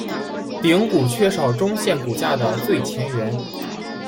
顶骨缺少中线骨架的最前缘。